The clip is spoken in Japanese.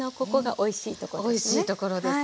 おいしいところですね。